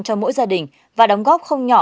cho mỗi gia đình và đóng góp không nhỏ